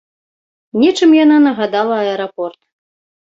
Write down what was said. Нечым яна нагадала аэрапорт.